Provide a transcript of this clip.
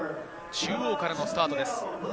中央からのスタートです。